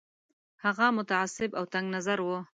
هغه متعصب او تنګ نظر وو.